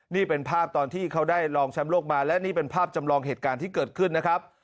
นี่เป็นภาพตอนที่เขาได้ลองแชมป์โลกมาและนี่เป็นภาพจำลองเหตุการณ์ที่เกิดขึ้นนะครับ